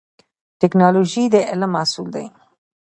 ټکنالوژي د علم محصول دی